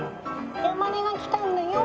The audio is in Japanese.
山根がきたんだよ！」